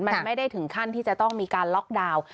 มันไม่ได้ถึงขั้นที่จะต้องมีการล็อกดาวน์